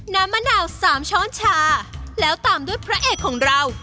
มะนาวสามช้อนชาแล้วตามด้วยพระเอกของเรา